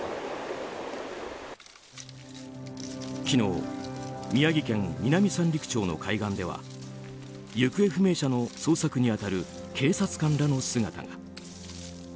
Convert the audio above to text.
昨日宮城県南三陸町の海岸では行方不明者の捜索に当たる警察官らの姿が。